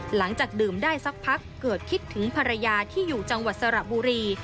หลังจากดื่มได้สักพักเกิดคิดถึงภรรยาที่อยู่จังหวัดสระบุรี